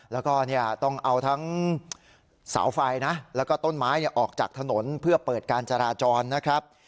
แล้วก็ต้องเอาทั้งเสาไฟนะแล้วก็ต้นไม้ออกจากถนนเพื่อเปิดการจราจรนะครับ